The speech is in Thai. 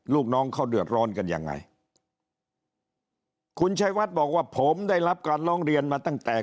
ลูกน้องเขาเดือดร้อนกันยังไงคุณชัยวัดบอกว่าผมได้รับการร้องเรียนมาตั้งแต่